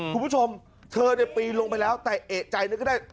คุณผู้ชมเธอปีนลงไปแล้วแต่เอกใจนึกก็ได้